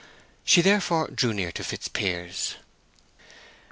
She therefore drew near to Fitzpiers.